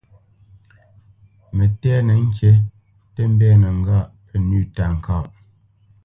Mətɛ̂nə kîʼ tə mbɛ̂nə́ ŋgâʼ pə́ nʉ̂ táka.